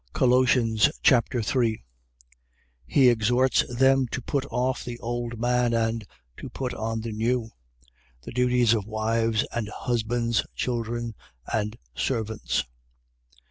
Colossians Chapter 3 He exhorts them to put off the old man, and to put on the new. The duties of wives and husbands, children and servants.